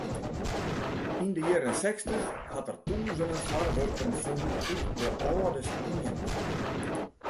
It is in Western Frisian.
Yn de jierren sechstich hat er tûzenen foarwerpen fûn út de âlde stientiid.